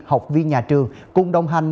học viên nhà trường cùng đồng hành